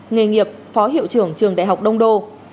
nghề nghiệp phó hiệu trưởng trường đại học đông đô